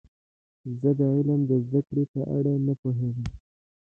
زه د علم د زده کړې په اړه نه پوهیږم.